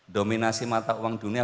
dominasi mata uang dunia